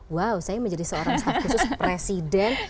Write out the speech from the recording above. wow saya menjadi seorang staf khusus presiden